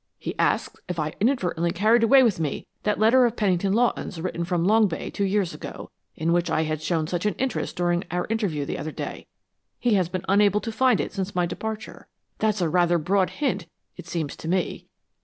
He asks if I inadvertently carried away with me that letter of Pennington Lawton's written from Long Bay two years ago, in which I had shown such an interest during our interview the other day. He has been unable to find it since my departure. That's a rather broad hint, it seems to me."